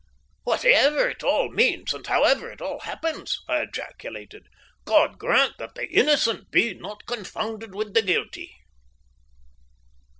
"Whatever it all means, and however it happens," I ejaculated, "God grant that the innocent be not confounded with the guilty."